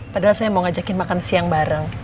padahal saya mau ngajakin makan siang bareng